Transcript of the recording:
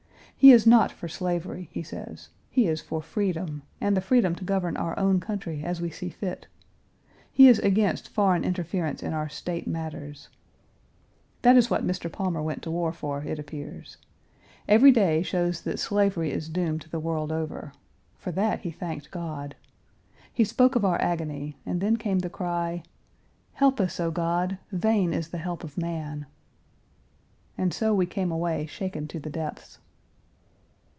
He is not for slavery, he says; he is for freedom, and the freedom to govern our own country as we see fit. He is against foreign interference in our State matters. That is what Mr. Palmer went to war for, it appears. Every day 1. After the battle, Atlanta was taken possession of and partly burned by the Federals. Page 327 shows that slavery is doomed the world over; for that he thanked God. He spoke of our agony, and then came the cry, "Help us, O God! Vain is the help of man." And so we came away shaken to the depths.